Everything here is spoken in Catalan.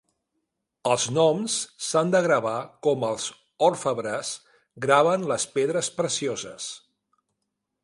Els noms s'han de gravar com els orfebres graven les pedres precioses.